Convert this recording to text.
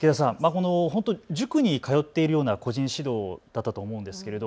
塾に通っているような個人指導だったと思うんですけど。